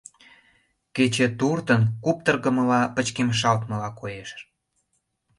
Кече туртын куптыргымыла, пычкемышалтмыла коеш.